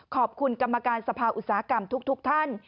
ขอบคุณกรรมการสภาอุตสาหกรรมทุกท่าน